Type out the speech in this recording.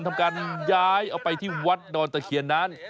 ทำการย้ายเอาไปที่วัดดอนตะเคียนนั้น